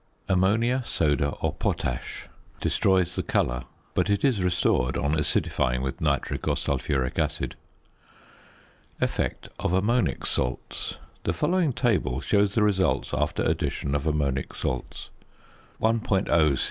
~ Ammonia, soda, or potash destroys the colour, but it is restored on acidifying with nitric or sulphuric acid. ~Effect of Ammonic Salts.~ The following table shows the results after addition of ammonic salts: +++ C.c.